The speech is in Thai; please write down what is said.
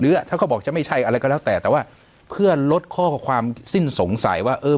ถ้าเขาบอกจะไม่ใช่อะไรก็แล้วแต่แต่ว่าเพื่อลดข้อความสิ้นสงสัยว่าเออ